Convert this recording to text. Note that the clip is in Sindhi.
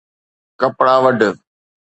!ڪپڙا وڍ